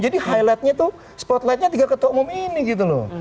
jadi highlightnya tuh spotlightnya tiga ketua umum ini gitu loh